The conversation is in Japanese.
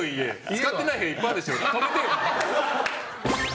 使ってない部屋いっぱいあるでしょ。